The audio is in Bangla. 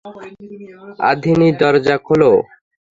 আধিনি, দরজা খোল!